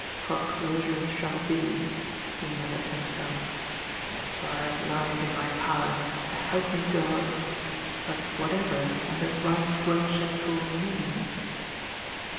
*' Foreclosure it shall be," he muttered to himself, ^' as far as lies in my power, so help me Ck>d! But whateyer can the Bight Worshipful mean